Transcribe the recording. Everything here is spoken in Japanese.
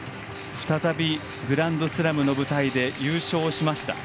再びグランドスラムの舞台で優勝しました。